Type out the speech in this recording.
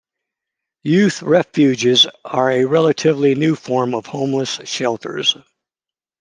Youth refuges are a relatively new form of homeless shelters.